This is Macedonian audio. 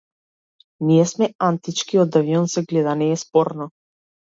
Ние сме антички, од авион се гледа, не е спорно.